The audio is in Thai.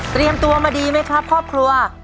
เตรียมตัวมาดีไหมครับครอบครัว